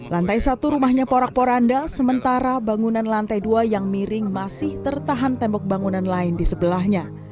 lantai satu rumahnya porak poranda sementara bangunan lantai dua yang miring masih tertahan tembok bangunan lain di sebelahnya